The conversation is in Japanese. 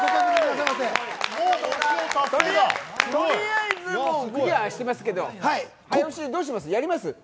とりあえずもうクリアしていますけれども、どうします、早押しやります？